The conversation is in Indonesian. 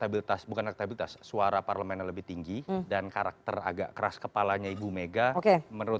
bukan aktabilitas suara parlemen lebih tinggi dan karakter agak keras kepalanya ibu mega oke menurut